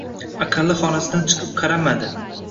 Aqalli xonasidan chiqib qaramadi.